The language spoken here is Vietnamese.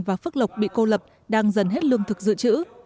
và phước lộc bị cô lập đang dần hết lương thực dự trữ